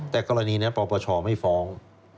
แต่กรณีนั้นปปชไม่ฟ้อง